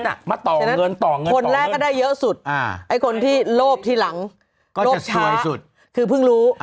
น่ะมาต่อเงินต่องด้วยเลยได้เยอะสุดไอ้คนที่โรบที่หลังก็ส์ชะคือพึ่งรู้